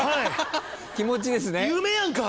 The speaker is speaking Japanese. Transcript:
気持ちですね。